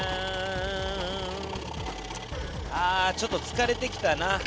ちょっとつかれてきたな。